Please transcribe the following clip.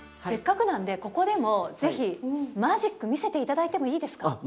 せっかくなんでここでも是非マジック見せて頂いてもいいですか？